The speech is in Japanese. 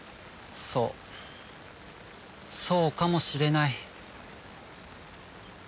そうそうかもしれない。